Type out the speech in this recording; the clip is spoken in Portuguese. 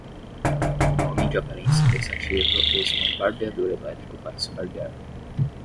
Um homem de aparência pensativa usa um barbeador elétrico para se barbear